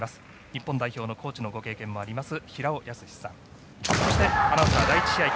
日本代表のコーチのご経験もあります